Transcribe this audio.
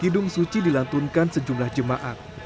hidung suci dilantunkan sejumlah jemaat